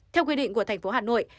theo quy định của thành phố hà nội